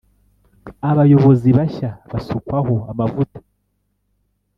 abayobozi bashya basukwaho amavuta